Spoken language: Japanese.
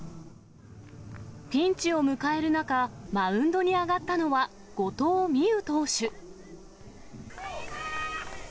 ピンチを迎える中、マウンドに上がったのは後藤希友投手。